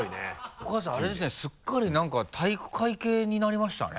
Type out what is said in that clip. お母さんあれですねすっかりなんか体育会系になりましたね。